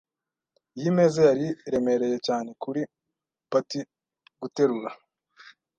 Iyi meza yari iremereye cyane kuri Patty guterura.